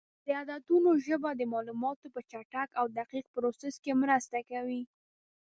د عددونو ژبه د معلوماتو په چټک او دقیق پروسس کې مرسته کوي.